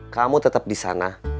kamu tetap di sana